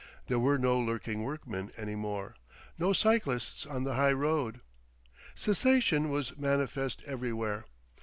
There were no lurking workmen any more, no cyclists on the high road. Cessation was manifest everywhere.